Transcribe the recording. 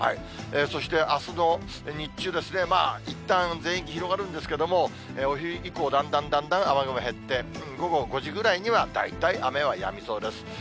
そして、あすの日中ですね、まあ、いったん、全域広がるんですけれども、お昼以降、だんだんだんだん雨雲減って、午後５時くらいには大体雨はやみそうです。